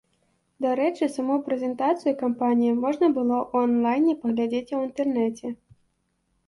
Дарэчы, саму прэзентацыю кампаніі можна было ў ан-лайне паглядзець у інтэрнэце.